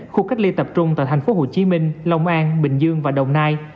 khu cách ly tập trung tại thành phố hồ chí minh lòng an bình dương và đồng nai